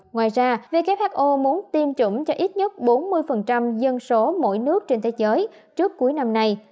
ngoài ra who muốn tiêm chủng cho ít nhất bốn mươi dân số mỗi nước trên thế giới trước cuối năm nay